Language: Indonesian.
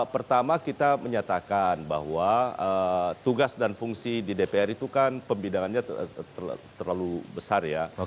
pertama kita menyatakan bahwa tugas dan fungsi di dpr itu kan pembidangannya terlalu besar ya